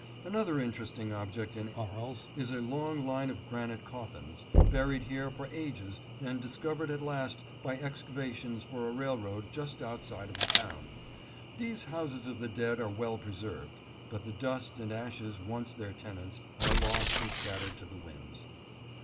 Another interesting object in Aries is a long line of granite coffins, buried here for ages and discovered at last by excavations for a railroad just outside of the town. These houses of the dead are well preserved, but the dust and ashes once their tenants are lost and scattered to the winds.